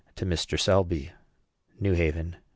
TO MR. SELBY. NEW HAVEN.